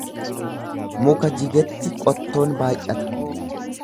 Muka jigetti qottoon baay'ata.